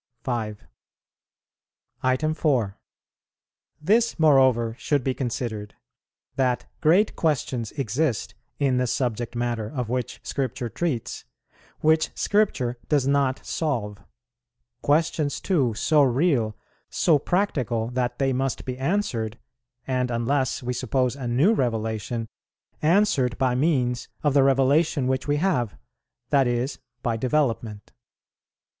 5. 4. This moreover should be considered, that great questions exist in the subject matter of which Scripture treats, which Scripture does not solve; questions too so real, so practical, that they must be answered, and, unless we suppose a new revelation, answered by means of the revelation which we have, that is, by development.